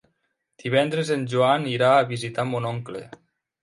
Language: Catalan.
Divendres en Joan irà a visitar mon oncle.